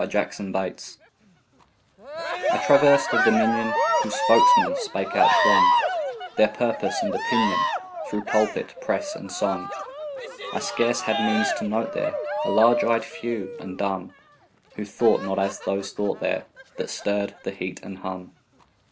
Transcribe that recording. MUTE OPINION I I TRAVERSED a dominion Whose spokesmen spake out strong Their purpose and opinion Through pulpit, press, and song. I scarce had means to note there A large eyed few, and dumb, Who thought not as those thought there That stirred the heat and hum.